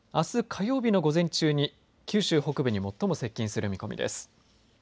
火曜日の午前中に九州北部に最も接近する見込みです。